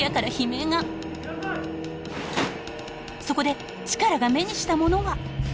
そこでチカラが目にしたものは。